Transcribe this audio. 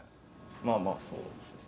まあまあそうです。